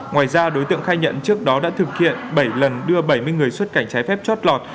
ngoài ra đối tượng khai nhận trước đó đã thực hiện bảy lần đưa bảy mươi người xuất cảnh trái phép chót lọt